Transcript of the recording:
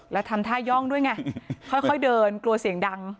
แล้วทำท่าย่องด้วยไงค่อยเดินกลัวเสียงดัง